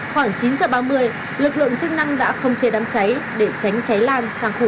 khoảng chín h ba mươi lực lượng chức năng đã không chê đám cháy